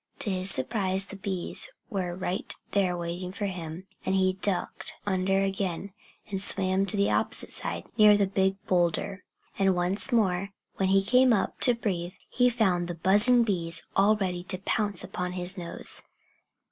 To his surprise the bees were right there waiting for him. And he ducked under again, and swam to the opposite side, near the big boulder. And once more, when he came up to breathe, he found the buzzing bees all ready to pounce upon his nose.